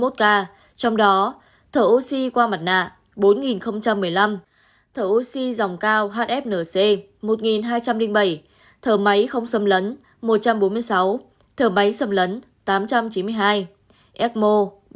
trong đó thở oxy qua mặt nạ bốn một mươi năm thở oxy dòng cao hfnc một nghìn hai trăm linh bảy thở máy không xâm lấn một trăm bốn mươi sáu thở máy xâm lấn tám trăm chín mươi hai ecmo